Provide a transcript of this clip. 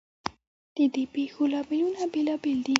ددې پیښو لاملونه بیلابیل دي.